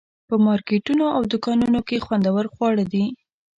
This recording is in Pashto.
په مارکیټونو او دوکانونو کې خوندور خواړه دي.